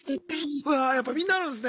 うわやっぱみんなあるんすね。